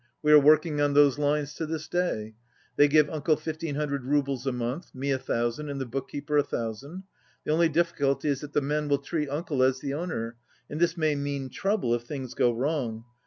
We are working on those lines to this day. They give uncle 1,500 roubles a month, me a thousand, and the bookkeeper a thousand. The only difficulty is that the men will treat uncle as the owner, and this may mean trouble if things go wrong.